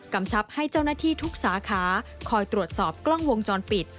ชับให้เจ้าหน้าที่ทุกสาขาคอยตรวจสอบกล้องวงจรปิด